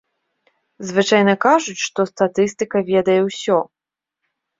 Звычайна кажуць, што статыстыка ведае ўсё.